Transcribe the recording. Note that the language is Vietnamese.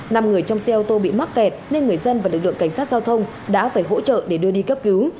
năm người trong xe ô tô bị mắc kẹt nên người dân và lực lượng cảnh sát giao thông đã phải hỗ trợ để đưa đi cấp cứu